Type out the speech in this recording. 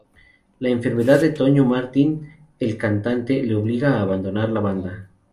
La enfermedad de Toño Martín, el cantante, le obliga a abandonar la banda.